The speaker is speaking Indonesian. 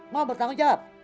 mau bertanggung jawab